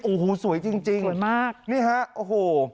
โอ้โหสวยจริงสวยมาก